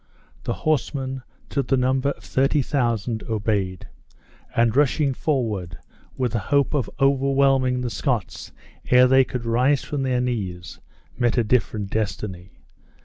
The horsemen, to the number of thirty thousand, obeyed; and, rushing forward, with the hope of overwhelming the Scots ere they could rise from their knees, met a different destiny.